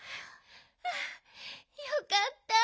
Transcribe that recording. はあよかった！